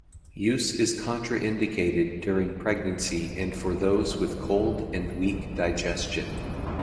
Use is contraindicated during pregnancy and for those with cold and weak digestion.